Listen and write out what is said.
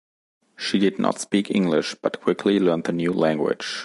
She did not speak English but quickly learned the new language.